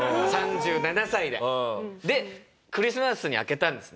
でクリスマスに開けたんですね。